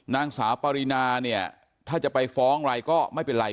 นางสาวปรินาเนี่ยถ้าจะไปฟ้องอะไรก็ไม่เป็นไร